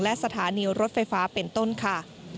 และสถานีรถไฟฟ้าเป็นต้นค่ะ